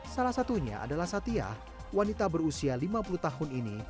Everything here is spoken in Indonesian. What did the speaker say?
salah satunya adalah satya wanita berusia lima puluh tahun ini